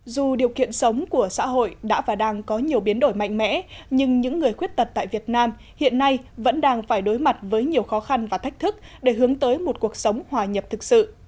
dù điều kiện sống của xã hội đã và đang có nhiều biến đổi mạnh mẽ nhưng những người khuyết tật tại việt nam hiện nay vẫn đang phải đối mặt với nhiều khó khăn và thách thức để hướng tới một cuộc sống hòa nhập thực sự